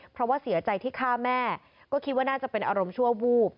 เพราะว่าเสียใจที่ฆ่าแม่ก็คิดว่าน่าจะเป็นอารมณ์ชั่ววูบ